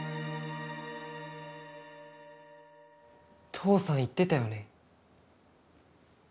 父さん言ってたよね。